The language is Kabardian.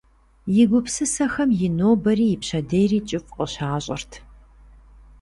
И гупсысэхэм и нобэри пщэдейри кӏыфӏ къыщащӏырт.